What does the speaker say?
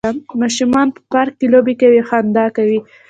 ماشومان په پارک کې لوبې کوي او خندا کوي